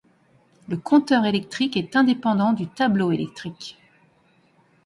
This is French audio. Le compteur électrique est indépendant du tableau électrique.